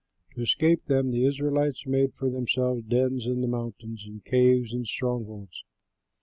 To escape them the Israelites made for themselves dens in the mountains and caves and strongholds.